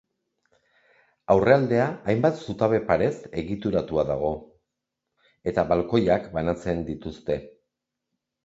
Aurrealdea hainbat zutabe-parez egituratua dago, eta balkoiak banatzen dituzte.